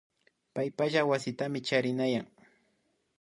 Paypalaya wasitami charinayan